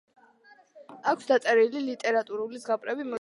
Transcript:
აქვს დაწერილი ლიტერატურული ზღაპრები, მოთხრობები.